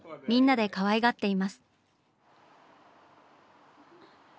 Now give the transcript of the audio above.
みんなでかわいがっています。